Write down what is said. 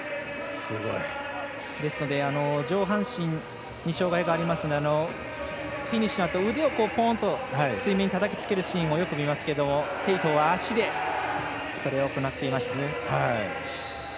ですので、上半身に障がいがあるのでフィニッシュのあと腕をぽんと水面にたたきつけるシーンをよく見ますが鄭濤は足でそれを行っていました。